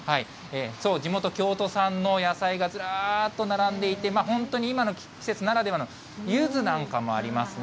地元、京都産の野菜がずらっと並んでいて、本当に今の季節ならではの、ゆずなんかもありますね。